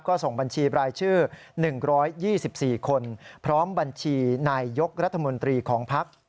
ก็ส่งบัญชีบรายชื่อ๑๒๔คนพร้อมบัญชีนายยกรัฐมนตรีของภักดิ์